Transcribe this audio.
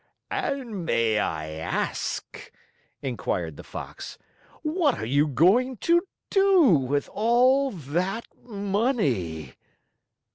"And may I ask," inquired the Fox, "what you are going to do with all that money?"